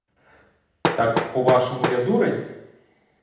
Так, по-вашому, я дурень?